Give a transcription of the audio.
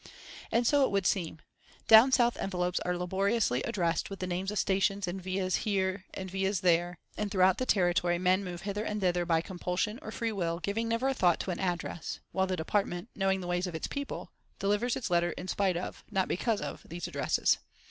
And so it would seem. "Down South" envelopes are laboriously addressed with the names of stations and vias here and vias there; and throughout the Territory men move hither and thither by compulsion or free will giving never a thought to an address; while the Department, knowing the ways of its people, delivers its letters in spite of, not because of, these addresses.